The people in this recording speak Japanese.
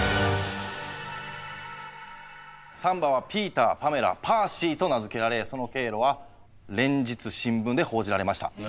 ３羽はピーターパメラパーシーと名付けられその経路は連日新聞で報じられました。